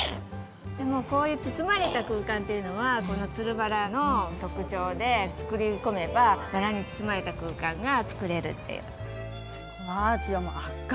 こういう包まれた空間っていうのはこのつるバラの特徴で作り込めばバラに包まれた空間が作れる。